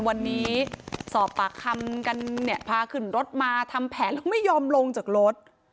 วันนี้สอบปากคำกันเนี่ยพาขึ้นรถมาทำแผนแล้วไม่ยอมลงจากรถ